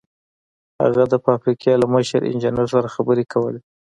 هغه د فابريکې له مشر انجنير سره خبرې کولې.